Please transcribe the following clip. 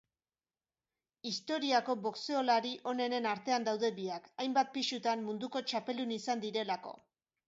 Historiako boxeolari onenen artean daude biak, hainbat pisutan munduko txapeldun izan direlako.